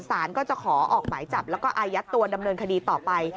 สารก็จะขอออกหมายจับแล้วก็อายัดตัวดำเนินคดีต่อไป